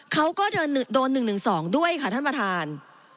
เขาก็โดน๑๑๒ด้วยค่ะท่านประธาน